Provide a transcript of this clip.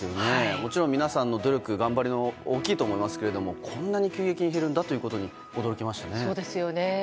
もちろん皆さんの努力頑張りが大きいと思いますがこんなに急激に減るんだとそうですよね。